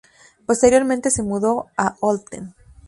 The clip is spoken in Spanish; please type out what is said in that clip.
Posteriormente se mudó a Olten.